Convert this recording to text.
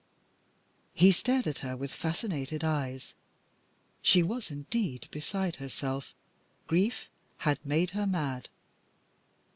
He stared at her with fascinated eyes. She was, indeed, beside herself. Grief had made her mad..